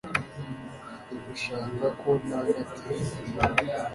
Urashaka ko nanga TV